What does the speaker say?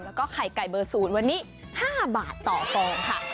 แล้วก็ไข่ไก่เบอร์๐วันนี้๕บาทต่อฟองค่ะ